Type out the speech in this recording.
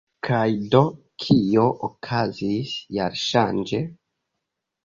Kaj do, kio okazis jarŝanĝe?